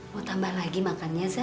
mau tambah lagi makannya